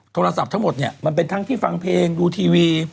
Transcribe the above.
โทรศัพท์ทั้งหมดเนี่ยมันเป็นทั้งที่ฟังเพลงดูทีวี